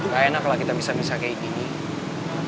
gak enak lah kita bisa bisa kayak gini